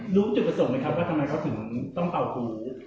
รู้จุดประสงค์ไหมครับว่าทำไมเขาถึงต้องเป่าหู